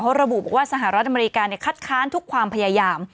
ระบุบอกว่าสหรัฐอเมริกาคัดค้านทุกความพยายาม